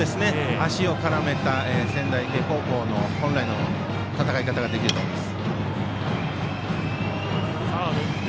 足を絡めた仙台育英高校の本来の戦い方ができると思います。